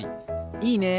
いいね！